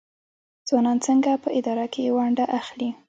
ځوانان څنګه په اداره کې ونډه اخلي؟